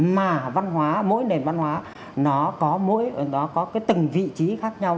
mà văn hóa mỗi nền văn hóa nó có mỗi nó có cái từng vị trí khác nhau